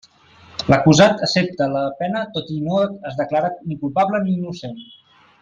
L'acusat accepta la pena tot i no es declara ni culpable ni innocent.